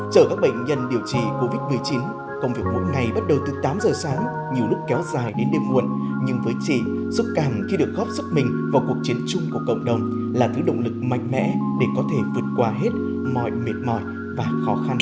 chở các bệnh nhân điều trị covid một mươi chín công việc mỗi ngày bắt đầu từ tám giờ sáng nhiều lúc kéo dài đến đêm muộn nhưng với chị dũng cảm khi được góp sức mình vào cuộc chiến chung của cộng đồng là thứ động lực mạnh mẽ để có thể vượt qua hết mọi mệt mỏi và khó khăn